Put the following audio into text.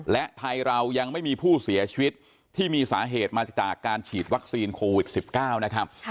และไทยเรายังไม่มีผู้เสียชีวิตที่มีสาเหตุมาจากการฉีดวัคซีนโควิด๑๙นะครับ